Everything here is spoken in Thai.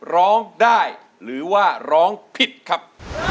ร้องได้หรือว่าร้องผิดครับ